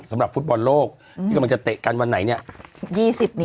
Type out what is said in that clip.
สำหรับฟุตบอลโลกอืมที่กำลังจะเตะกันวันไหนเนี้ยยี่สิบนี้ค่ะ